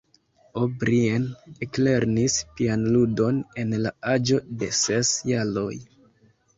O’Brien eklernis pianludon en la aĝo de ses jaroj.